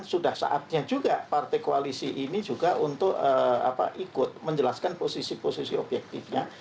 sudah saatnya juga partai koalisi ini juga untuk ikut menjelaskan posisi posisi objektifnya